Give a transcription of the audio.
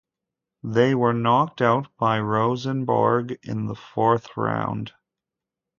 They were knocked out by Rosenborg in the Fourth Round.